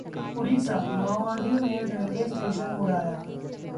उड़ीसा: माओवादियों ने railway station उड़ाया